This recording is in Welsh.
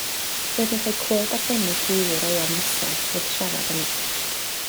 Roedd yn rhoi clod arbennig i ŵr o Landdeusant, wrth siarad â mi.